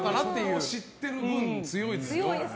そこを知ってる分強いですね。